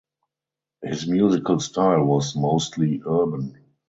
His musical style was mostly urban.